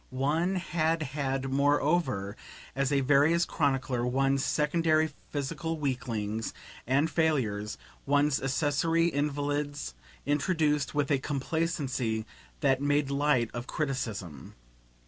One had had moreover, as a various chronicler, one's secondary physical weaklings and failures, one's accessory invalids introduced with a complacency that made light of criticism.